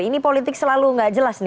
ini politik selalu tidak jelas ya